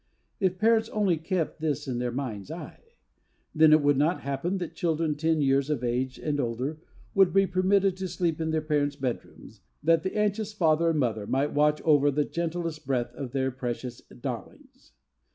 If parents only kept this in their mind's eye! Then it would not happen that children ten years of age and older would be permitted to sleep in their parents' bedrooms that the anxious father and mother might watch over the gentlest breath of their precious darlings.